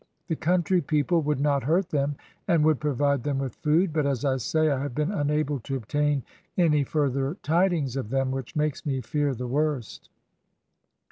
The country people would not hurt them, and would provide them with food, but as I say, I have been unable to obtain any further tidings of them, which makes me fear the worst."